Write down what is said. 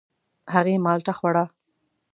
هغې مالټه خوړه.